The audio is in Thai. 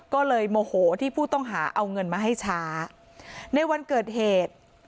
ก็เลยโมโหที่ผู้ต้องหาเอาเงินมาให้ช้าในวันเกิดเหตุ